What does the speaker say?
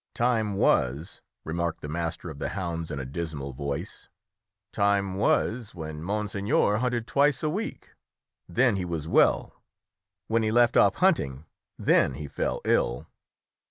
"Time was," remarked the master of the hounds in a dismal voice "time was when monseigneur hunted twice a week; then he was well; when he left off hunting, then he fell ill."